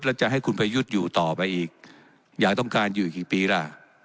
แล้วจะให้คุณประยุทธ์อยู่ต่อไปอีกยายต้องการอยู่กี่ปีล่ะ